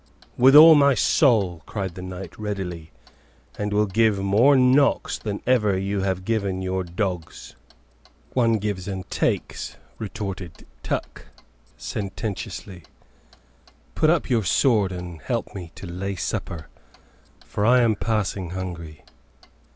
'" "With all my soul," cried the knight, readily. "And will give more knocks than ever you have given your dogs." "One gives and takes," retorted Tuck, sententiously; "put up your sword and help me to lay supper, for I am passing hungry."